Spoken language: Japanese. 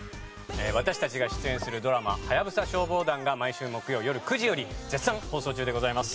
私たちが出演するドラマ『ハヤブサ消防団』が毎週木曜よる９時より絶賛放送中でございます。